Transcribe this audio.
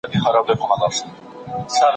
هغه د بيت المال ضايع کېدل نه زغمله.